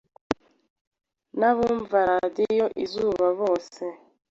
n’abumva Radiyo Izuba bose